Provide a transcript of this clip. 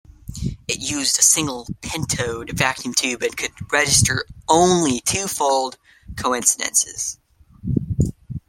It used a single pentode vacuum tube and could register only twofold coincidences.